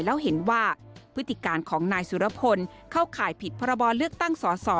แล้วเห็นว่าพฤติการของนายสุรพลเข้าข่ายผิดพรบเลือกตั้งสส